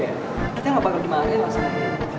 katanya nggak bakal dimarahi mas fien